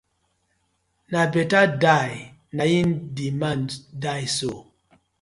Na betta die na im di man die so.